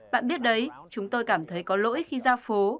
bạn biết đấy chúng tôi cảm thấy có lỗi khi ra phố